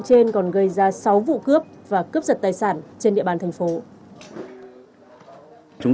chú ngô quyền hải phòng